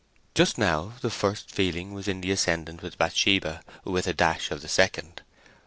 Just now the first feeling was in the ascendant with Bathsheba, with a dash of the second.